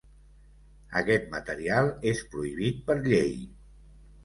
Aquest material és prohibit per llei.